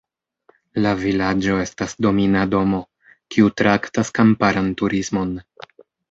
La vilaĝo estas domina domo, kiu traktas kamparan turismon.